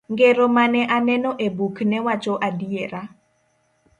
Ngero mane aneno e buk ne wacho adiera.